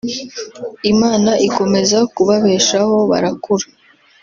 Imana ikomeza kubabeshaho barakura